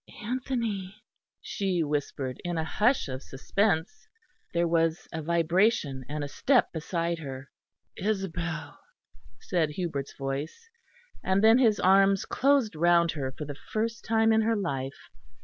"Anthony!" she whispered, in a hush of suspense. There was a vibration and a step beside her. "Isabel!" said Hubert's voice. And then his arms closed round her for the first time in her life.